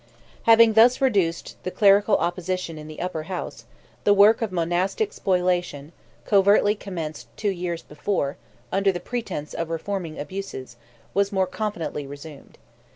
Having thus reduced the clerical opposition in the Upper House, the work of monastic spoliation, covertly commenced two years before, under the pretence of reforming abuses, was more confidently resumed.